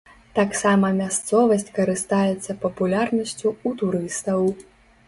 Таксама мясцовасць карыстаецца папулярнасцю ў турыстаў.